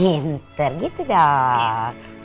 pinter gitu dong